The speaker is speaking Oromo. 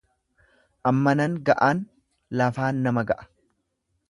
Ammanan ga'aan lafaan nama ga'a.